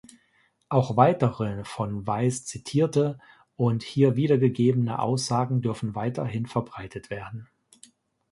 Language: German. Auch weitere von Vice zitierte und hier wiedergegebene Aussagen dürfen weiterhin verbreitet werden.